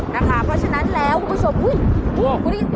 เพราะฉะนั้นแล้วคุณผู้ชมอุ้ย